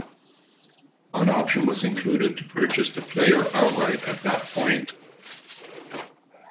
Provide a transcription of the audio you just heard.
An option was included to purchase the player outright at that point.